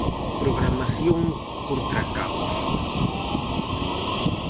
Programación contra caos.